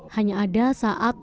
hanya ada saat